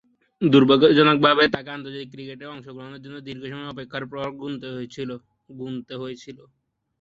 দূর্ভাগ্যজনকভাবে তাকে আন্তর্জাতিক ক্রিকেটে অংশগ্রহণের জন্যে দীর্ঘসময় অপেক্ষার প্রহর গুণতে হয়েছিল।